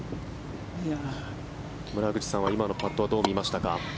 村口さんは今のパットはどう見ましたか？